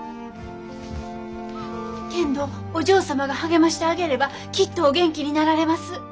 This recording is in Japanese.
けんどお嬢様が励ましてあげればきっとお元気になられます。